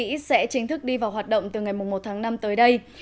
dịch vụ phá mới sẽ chính thức đi vào hoạt động từ ngày một tháng năm tới đây